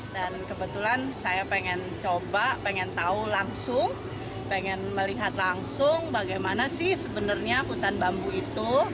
dan kebetulan saya pengen coba pengen tahu langsung pengen melihat langsung bagaimana sih sebenarnya hutan bambu itu